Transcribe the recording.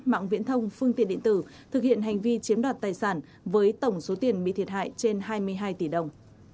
mạng viễn thông phương tiện điện tử thực hiện hành vi chiếm đoạt tài sản với tổng số tiền bị thiệt hại trên hai mươi hai tỷ đồng